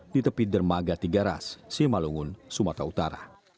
di tepi dermaga tiga ras simalungun sumatera utara